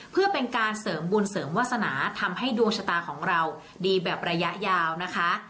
เพื่อเป็นการเสริมบุญเสริมวาสนาทำให้ดวงชะตาของเราดีแบบระยะยาวนะคะ